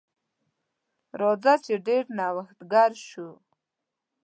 راځه چې ډیر نوښتګر شو.